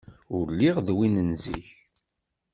Ur lliɣ d win n zik.